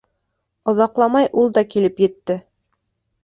Оҙаҡламай ул да килеп етте.